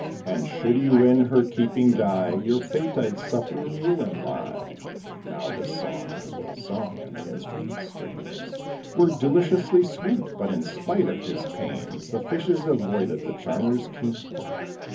And should you in her keeping die, Your fate I'd suffer willingly." Now this song was well sung, and the instrument's strains Were deliciously sweet, but, in spite of his pains, The fishes avoided the charmer's keen hook.